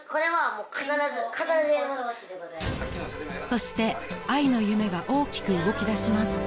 ［そしてあいの夢が大きく動きだします］